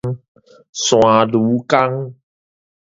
山牛犅